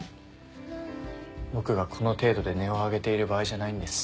僕がこの程度で音を上げている場合じゃないんです。